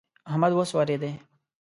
احمد وسورېدی.